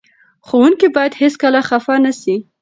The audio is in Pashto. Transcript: ښوونکي باید هېڅکله خفه نه سي.